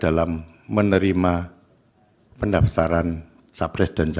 dalam menerima pendaftaran sapres dan jawa